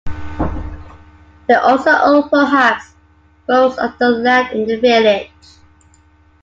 They also owned perhaps most of the land in the village.